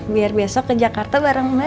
biar besok ke jakarta bareng mana